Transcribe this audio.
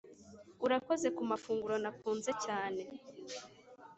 urakoze kumafunguro nakunze cyane